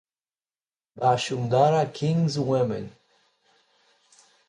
Bashundhara Kings Women